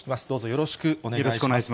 よろしくお願いします。